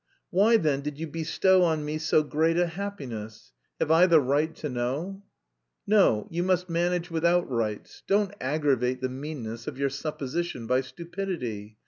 "Why then did you bestow on me... so great a happiness? Have I the right to know?" "No, you must manage without rights; don't aggravate the meanness of your supposition by stupidity.